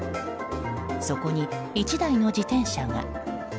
そこに１台の自転車が。